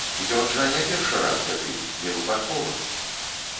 Ён жа не першы раз забіў, не выпадкова!